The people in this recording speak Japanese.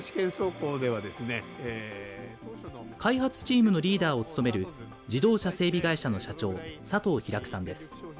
開発チームのリーダーを務める自動車整備会社の社長、佐藤啓さんです。